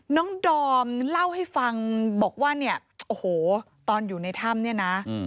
ดอมเล่าให้ฟังบอกว่าเนี่ยโอ้โหตอนอยู่ในถ้ำเนี่ยนะ